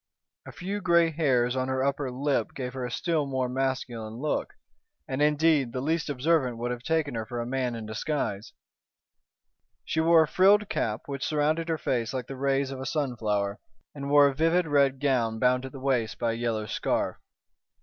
A few grey hairs on her upper lip gave her a still more masculine look, and, indeed, the least observant would have taken her for a man in disguise. She wore a frilled cap, which surrounded her face like the rays of a sunflower, and wore a vivid red gown bound at the waist by a yellow scarf. Mrs.